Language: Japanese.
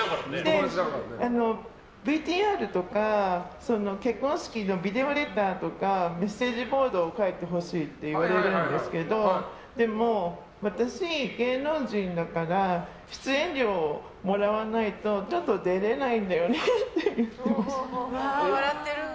ＶＴＲとか、結婚式のビデオレターとかメッセージボードを書いてほしいって言われるんですけどでも私、芸能人だから出演料もらわないとちょっと出れないんだよねって笑ってる。